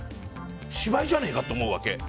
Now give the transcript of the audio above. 芝居じゃねえかって思うわけ。